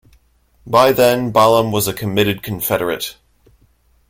By then, Ballam was a committed Confederate.